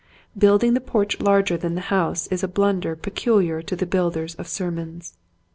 Building the porch larger than the house is a blunder peculiar to the builders of sermons.